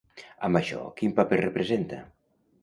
Amb això quin paper representa?